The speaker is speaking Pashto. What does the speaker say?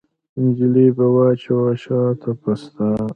نجلۍ به واچوي وشا ته بسته